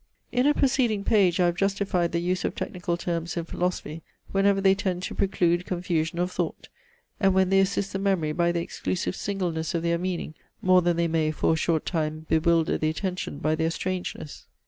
In a preceding page I have justified the use of technical terms in philosophy, whenever they tend to preclude confusion of thought, and when they assist the memory by the exclusive singleness of their meaning more than they may, for a short time, bewilder the attention by their strangeness.